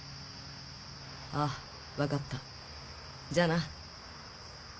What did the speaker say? ああ分かったじゃあな。